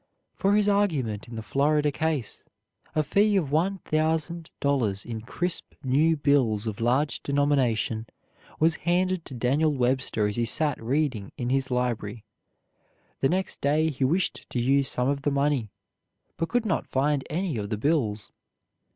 For his argument in the Florida Case, a fee of one thousand dollars in crisp new bills of large denomination was handed to Daniel Webster as he sat reading in his library. The next day he wished to use some of the money, but could not find any of the bills.